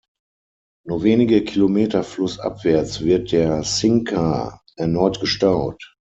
Nur wenige Kilometer flussabwärts wird der Cinca erneut gestaut.